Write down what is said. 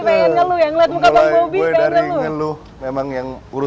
mbak constraint kenapa di humming di luar buku